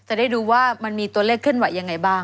จะได้ดูว่ามันมีตัวเลขขึ้นไหวอย่างไรบ้าง